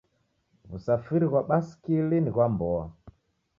Wusafiri ghwa basikili ni ghwa mboa.